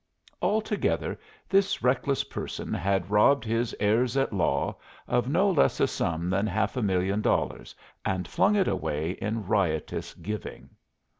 Altogether, this reckless person had robbed his heirs at law of no less a sum than half a million dollars and flung it away in riotous giving.